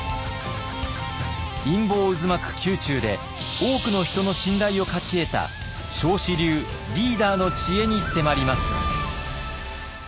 陰謀渦巻く宮中で多くの人の信頼を勝ち得た彰子流リーダーの知恵に迫ります。